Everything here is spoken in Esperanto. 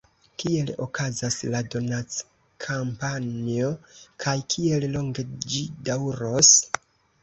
Kiel okazas la donackampanjo, kaj kiel longe ĝi daŭros?